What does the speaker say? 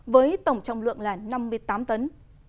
với tổng trọng lượng là năm mươi tám tấn